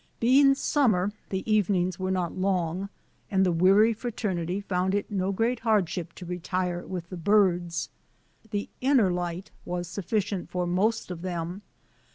Being summer, the evenings were not long, and the weary frater nity found it no great hardship to retire with the birds. The inner light was sufficient for most of them.